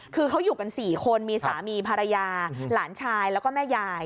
คือเขาอยู่กัน๔คนมีสามีภรรยาหลานชายแล้วก็แม่ยาย